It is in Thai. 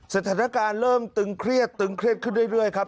สถานการณ์เริ่มตึงเครียดตึงเครียดขึ้นเรื่อยครับ